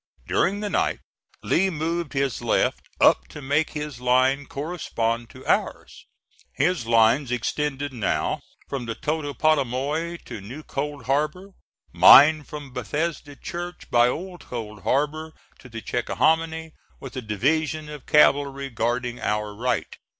During the night Lee moved his left up to make his line correspond to ours. His lines extended now from the Totopotomoy to New Cold Harbor. Mine from Bethesda Church by Old Cold Harbor to the Chickahominy, with a division of cavalry guarding our right.